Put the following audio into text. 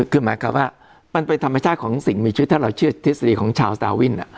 คือหมายความว่ามันเป็นธรรมชาติของสิ่งมีชีวิตถ้าเราเชื่อทฤษฎีของชาวสตาวิน